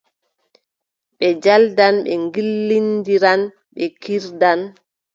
Ɓe njaldan, ɓe ngillindiran, ɓe kiirdan.